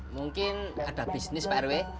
mungkin ada bisnis pak rw